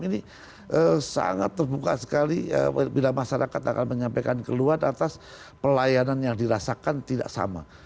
ini sangat terbuka sekali bila masyarakat akan menyampaikan keluhan atas pelayanan yang dirasakan tidak sama